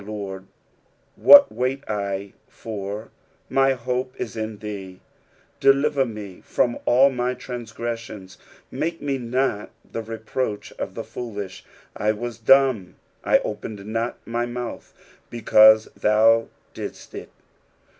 Lord, what wait I for ? my hope is in thee, S Deliver me from all my transgressions : make me not the re proach of the foolish. 9 I was dumb, I opened not my mouth ; because thou didst it.